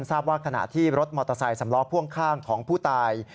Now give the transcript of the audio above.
ทราบว่าขณะที่รถมอเตอร์ไซค์สำล้อพ่วงข้างของผู้ตาย